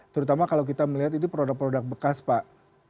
terutama kalau kita melihat itu produk produk bekas pak